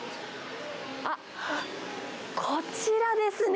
あっ、こちらですね。